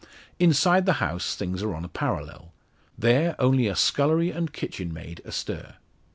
Inside the house things are on a parallel; there only a scullery and kitchen maid astir.